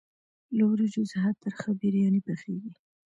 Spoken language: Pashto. له وریجو څخه ترخه بریاني پخیږي.